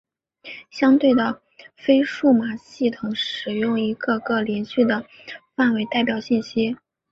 相对的非数码系统使用一个个连续的范围代表信息。